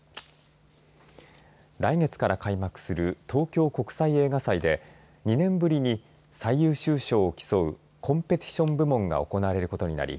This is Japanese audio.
来月から開幕する東京国際映画祭で２年ぶりに最優秀賞を競うコンペティション部門が行われることになり